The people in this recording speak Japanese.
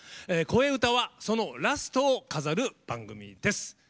「こえうた」はそのラストを飾る番組です。